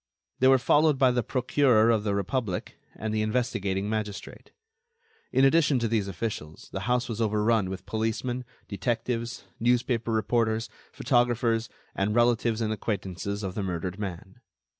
They were followed by the Procureur of the Republic and the investigating magistrate. In addition to these officials, the house was overrun with policemen, detectives, newspaper reporters, photographers, and relatives and acquaintances of the murdered man.